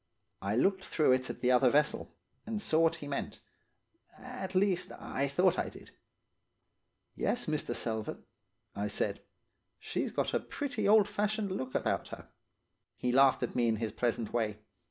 "I looked through it at the other vessel, and saw what he meant; at least, I thought I did. "'Yes, Mr. Selvern,' I said. 'She's got a pretty old fashioned look about her.' "He laughed at me in his pleasant way.